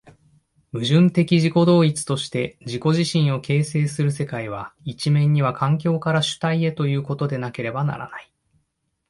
矛盾的自己同一として自己自身を形成する世界は、一面には環境から主体へということでなければならない。